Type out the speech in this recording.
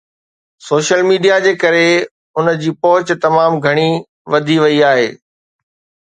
Social media جي ڪري ان جي پهچ تمام گهڻي وڌي وئي آهي.